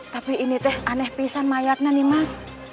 tapi ini teh aneh pisang mayatnya nih mas